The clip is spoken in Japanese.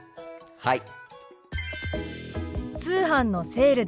はい。